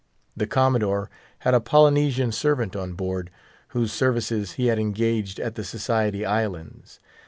The Commodore had a Polynesian servant on board, whose services he had engaged at the Society Islands.